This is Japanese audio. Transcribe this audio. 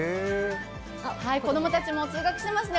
子供たちも通学してますね。